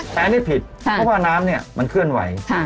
แปลนี่ผิดค่ะเพราะว่าน้ำเนี้ยมันเคลื่อนไหวค่ะ